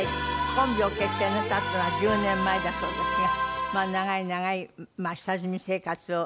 コンビを結成なさったのは１０年前だそうですが長い長い下積み生活を。